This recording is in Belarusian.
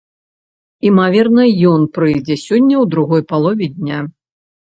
Імаверна, ён прыйдзе сёння ў другой палове дня.